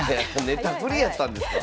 ネタ振りやったんですか？